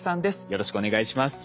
よろしくお願いします。